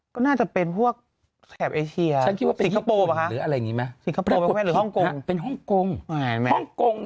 ก็น่าจะเป็นพวกแถบไอเซียสิงคโปรหรืออะไรนี้มั้ยห้องกรงเป็นห้องกรง